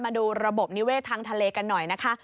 มาดูระบบนิเวศทางทะเลกันหน่อยนะคะ